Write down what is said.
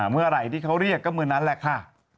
เมื่อไหร่ที่เขาเรียกก็เมื่อนั้นแหละค่ะ